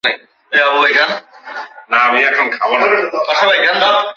ইহা যেরূপ ছিল, সেইরূপই রহিল।